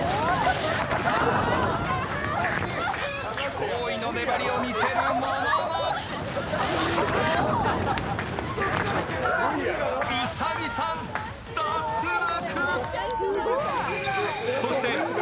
驚異の粘りを見せるものの兎さん脱落。